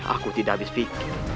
aku tidak bisa pikir